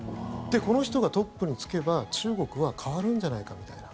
この人がトップに就けば、中国は変わるんじゃないかみたいな。